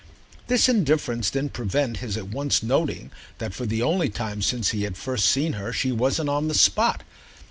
This indifference didn't prevent his at once noting that for the only time since he had first seen her she wasn't on the spot.